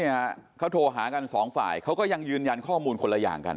เนี่ยเขาโทรหากันสองฝ่ายเขาก็ยังยืนยันข้อมูลคนละอย่างกัน